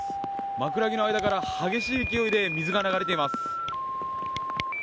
枕木の間から激しい勢いで水が流れています。